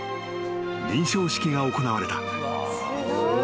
［認証式が行われた］